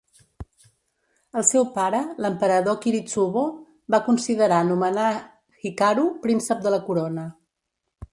El seu pare, l'emperador Kiritsubo, va considerar nomenar Hikaru príncep de la corona.